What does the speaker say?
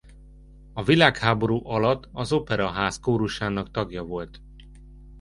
A világháború alatt az Operaház kórusának tagja volt.